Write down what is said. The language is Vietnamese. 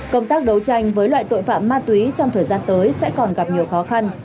công tác đấu tranh với loại tội phạm ma túy trong thời gian tới sẽ còn gặp nhiều khó khăn